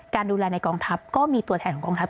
ดูแลในกองทัพก็มีตัวแทนของกองทัพ